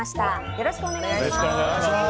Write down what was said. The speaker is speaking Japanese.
よろしくお願いします。